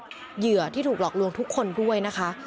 อาร์ตเตอร์ที่ถูกหลอกลวงทุกคนด้วยนะคะ